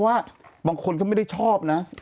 ว่าบางคนก็ไม่ได้ชอบนะ